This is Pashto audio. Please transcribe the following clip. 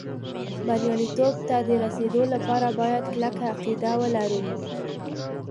بریالېتوب ته د رسېدو لپاره باید کلکه عقیده ولرو